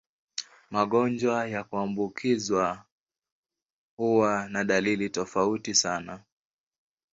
Magonjwa ya kuambukizwa huwa na dalili tofauti sana.